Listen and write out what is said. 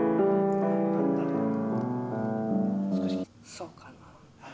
そうかな。